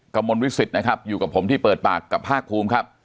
กระมวลวิสิตนะครับอยู่กับผมที่เปิดปากกับภาคภูมิครับ